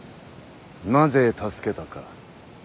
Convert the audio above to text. なぜ助けたか。